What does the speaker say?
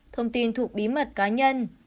thông tin thuộc bí mật cá nhân